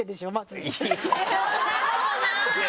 そんなことない！